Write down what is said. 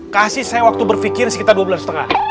kasih saya waktu berpikir sekitar dua bulan setengah